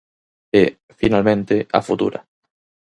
E, finalmente, a futura.